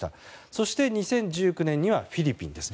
そして、２０１９年にはフィリピンです。